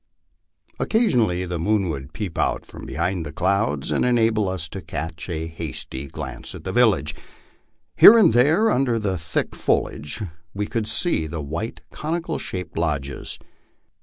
Occasionally the moon would peep out from behind the clouds and enable us to catch a hasty glance at the village. Here and there under the thick foliage we could see the white, conical shaped lodges.